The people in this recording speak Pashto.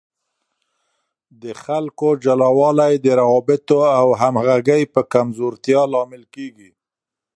د خلکو جلاوالی د روابطو او همغږۍ په کمزورتیا لامل کیږي.